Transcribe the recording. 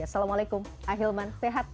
assalamualaikum ahilman sehat